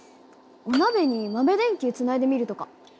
お鍋に豆電球つないでみるとか。